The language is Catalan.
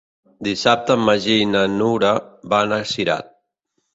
Dissabte en Magí i na Nura van a Cirat.